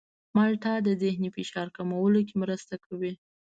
مالټه د ذهني فشار کمولو کې مرسته کوي.